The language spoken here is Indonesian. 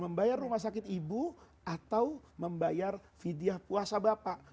membayar rumah sakit ibu atau membayar vidyah puasa bapak